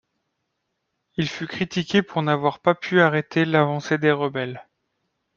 Il fut critiqué pour n'avoir pas pu arrêter l'avancée des rebelles.